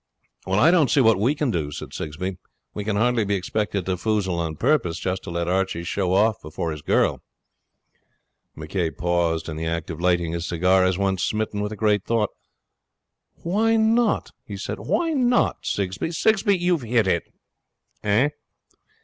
'Well, I don't see what we can do,' said Sigsbee. 'We can hardly be expected to foozle on purpose, just to let Archie show off before his girl.' McCay paused in the act of lighting his cigar, as one smitten with a great thought. 'Why not?' he said. 'Why not, Sigsbee? Sigsbee, you've hit it.' 'Eh?'